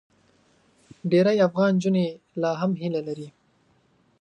ډېری افغان نجونې لا هم هیله لري.